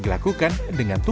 lalu ada sate